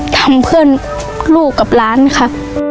ทำเพื่อนลูกกับร้านค่ะ